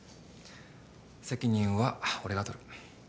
責任は俺が取る。